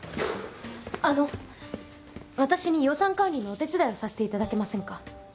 あの私に予算管理のお手伝いをさせていただけませんか？